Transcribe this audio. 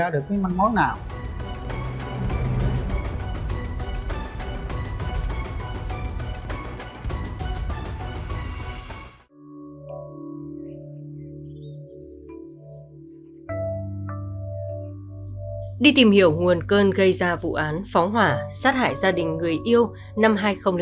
đi tìm hiểu nguồn cơn gây ra vụ án phóng hỏa sát hại gia đình người yêu năm hai nghìn bảy